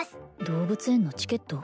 動物園のチケット？